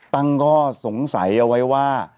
ตั้งข้อสงสัยเอาไว้ว่า